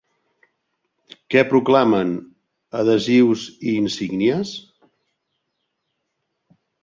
Què proclamen adhesius i insígnies?